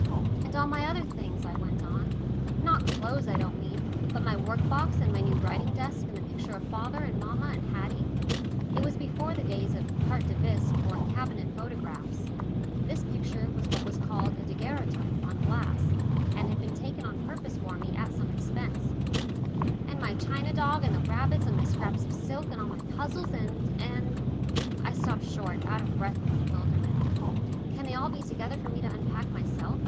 "And all my other things," I went on, "not clothes, I don't mean, but my workbox and my new writing desk, and the picture of father and mamma and Haddie" it was before the days of "carte de visite" or "cabinet" photographs; this picture was what was called a "daguerreotype" on glass, and had been taken on purpose for me at some expense "and my china dog and the rabbits, and my scraps of silk, and all my puzzles, and, and " I stopped short, out of breath with bewilderment. "Can they be all together for me to unpack myself?"